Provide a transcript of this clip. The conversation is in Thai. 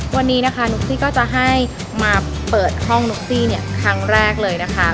วันนี้นะคะนุ๊กซี่ก็จะให้มาเปิดห้องนุ๊กซี่เนี่ยครั้งแรกเลยนะคะ